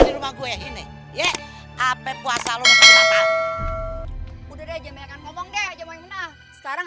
di rumah gue ini ya apa kuasa lo udah aja melekan ngomong deh aja mau enggak sekarang